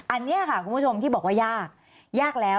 อันนี้ค่ะคุณผู้ชมที่บอกว่ายากยากแล้ว